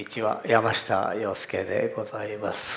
山下洋輔でございます。